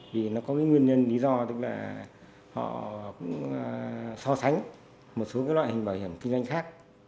vì nó có cái nguyên nhân lý do tức là họ cũng so sánh một số cái loại hình bảo hiểm kinh doanh khác